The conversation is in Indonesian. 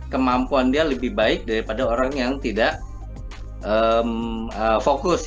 kemampuan dia lebih baik daripada orang yang tidak fokus